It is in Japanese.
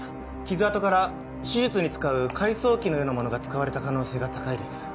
傷痕から手術に使う開創器のようなものが使われた可能性が高いです